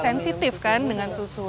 sensitive kan dengan susu